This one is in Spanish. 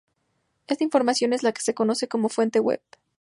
Esta información es la que se conoce como fuente web.